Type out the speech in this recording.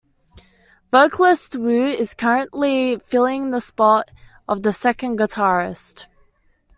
Vocalist Wu is currently filling the spot of the second guitarist.